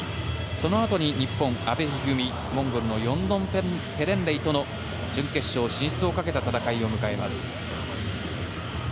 そのあとに日本、阿部一二三モンゴルのヨンドンペレンレイとの準決勝進出をかけた戦いを迎えます。